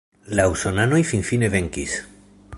La usonanoj finfine venkis.